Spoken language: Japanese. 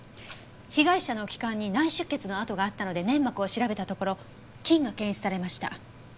被害者の気管に内出血の跡があったので粘膜を調べたところ菌が検出されました。